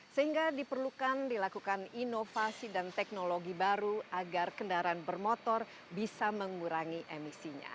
sehingga diperlukan dilakukan inovasi dan teknologi baru agar kendaraan bermotor bisa mengurangi emisinya